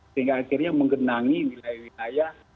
sehingga akhirnya menggenangi wilayah wilayah